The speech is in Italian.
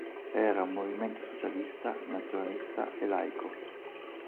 Era un movimento socialista, nazionalista e laico.